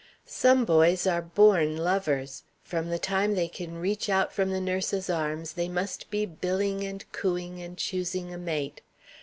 Some boys are born lovers. From the time they can reach out from the nurse's arms, they must be billing and cooing and choosing a mate.